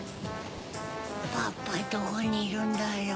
パパどこにいるんだろう。